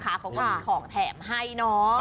เขาก็มีของแถมให้เนาะ